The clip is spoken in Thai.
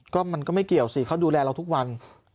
ก็มันก็ไม่เกี่ยวสิเขาดูแลเราทุกวัน